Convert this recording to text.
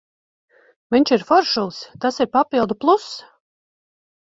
Viņš ir foršulis, tas ir papildu pluss.